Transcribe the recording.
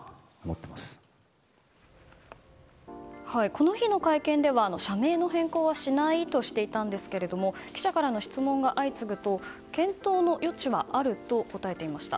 この日の会見では社名の変更はしないとしていたんですけれども記者からの質問が相次ぐと検討の余地はあると答えていました。